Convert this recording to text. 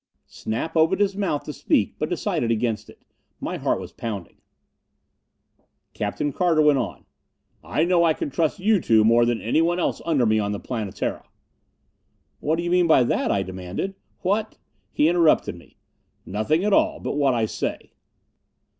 Snap opened his mouth to speak but decided against it. My heart was pounding. Captain Carter went on, "I know I can trust you two more than anyone else under me on the Planetara " "What do you mean by that?" I demanded. "What " He interrupted me. "Nothing at all but what I say."